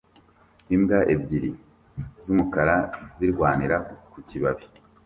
Imbwa ebyiri z'umukara zirwanira ku kibabi